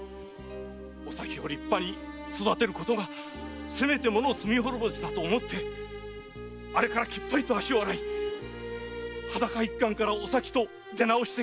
〔おさきを立派に育てることがせめてもの罪滅ぼしだと思ってあれからきっぱりと足を洗い裸一貫からおさきと出直した〕